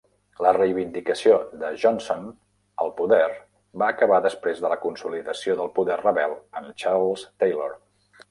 La reivindicació de Johnson al poder va acabar després de la consolidació del poder rebel amb Charles Taylor.